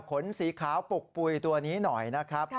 ขนสีขาวปลุกปุ๋ยตัวนี้หน่อยนะครับ